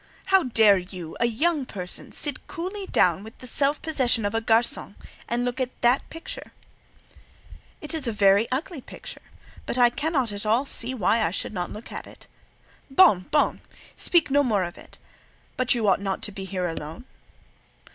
How dare you, a young person, sit coolly down, with the self possession of a garçon, and look at that picture?" "It is a very ugly picture, but I cannot at all see why I should not look at it." "Bon! bon! Speak no more of it. But you ought not to be here alone."